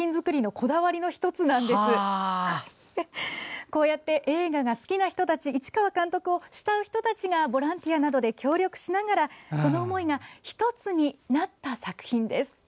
こうやって映画が好きな人たち市川監督を慕う人たちがボランティアなどで協力しながらその思いが１つになった作品です。